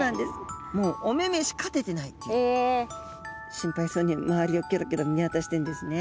心配そうに周りをキョロキョロ見渡してるんですね。